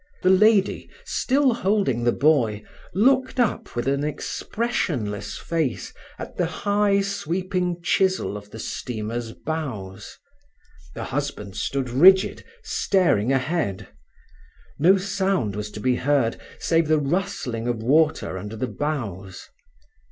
The lady, still holding the boy, looked up with an expressionless face at the high sweeping chisel of the steamer's bows; the husband stood rigid, staring ahead. No sound was to be heard save the rustling of water under the bows.